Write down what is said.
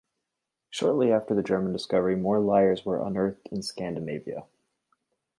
Shortly after the German discovery more lyres were unearthed in Scandinavia.